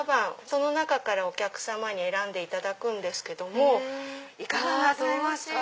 その中からお客様に選んでいただくんですけどもいかがなさいますか？